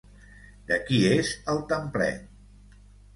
De qui és el templet?